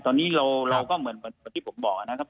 ตอนนี้เราก็เหมือนที่ผมบอกนะครับ